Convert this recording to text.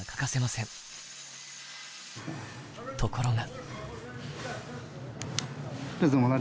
ところが。